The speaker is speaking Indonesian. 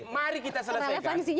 mari kita selesaikan